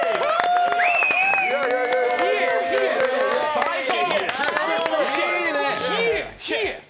最高！